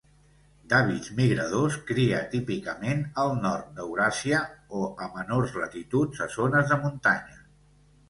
D'hàbits migradors, cria típicament al nord d'Euràsia o a menors latituds a zones de muntanya.